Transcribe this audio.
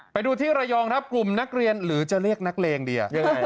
ไปดูที่ระยองครับกลุ่มนักเรียนหรือจะเรียกนักเลงดียังไง